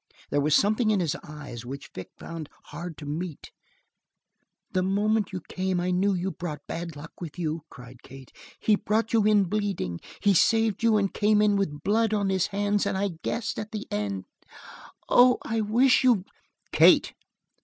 There was something in his eyes which Vic found hard to meet. "The moment you came I knew you brought bad luck with you!" cried Kate. "He brought you in bleeding. He saved you and came in with blood on his hands and I guessed at the end. Oh, I wish you " "Kate!"